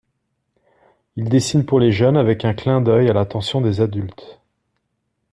Il dessine pour les jeunes avec un clin d’œil à l’attention des adultes.